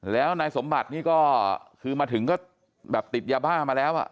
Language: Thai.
แล้วนายสมบัตินี่ก็คือมาถึงก็แบบติดยาบ้ามาแล้วอ่ะ